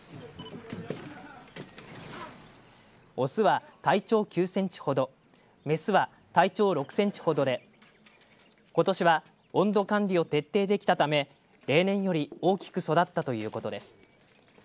雄は体長９センチほど雌は体長６センチほどでことしは温度管理を徹底できたため例年より大きく育ったということです。